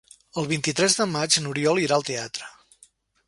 El vint-i-tres de maig n'Oriol irà al teatre.